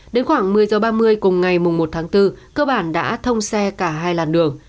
đến khoảng một mươi h ba mươi cùng ngày một tháng bốn cơ bản đã thông xe cả hai làn đường